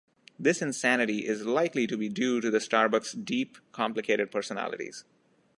This insanity is likely to be due to the Starbucks' deep, complicated personalities.